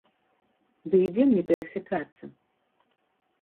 Ды і дзе мне перасякацца?